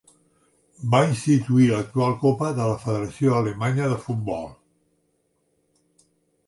Va instituir l'actual Copa de la Federació Alemanya de Futbol.